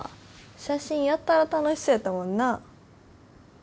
写真やたら楽しそうやったもんな。